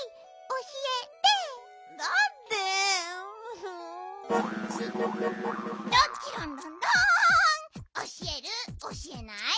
おしえない？